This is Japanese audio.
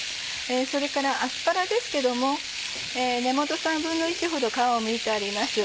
それからアスパラですけども根元１／３ほど皮をむいてあります。